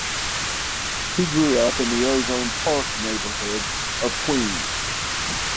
He grew up in the Ozone Park neighborhood of Queens.